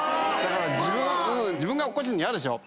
自分が落っこちるの嫌でしょ。